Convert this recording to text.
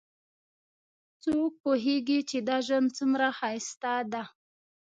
څوک پوهیږي چې دا ژوند څومره ښایسته ده